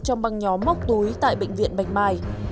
trong băng nhóm móc túi tại bệnh viện bạch mai